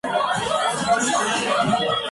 Los problemas de la vida suceden.